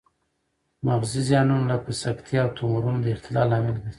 مغزي زیانونه لکه سکتې او تومورونه د اختلال لامل ګرځي